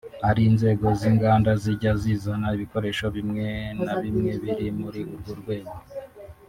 ari inzego z’inganda zijya zizana ibikoresho bimwe na bimwe biri muri urwo rwego